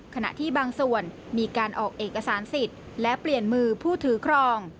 ขณะที่บางส่วนมีการออกเอกสารสิทธิ์และเปลี่ยนมือผู้ถือครอง